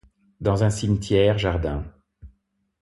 Dans un cimetière, jardin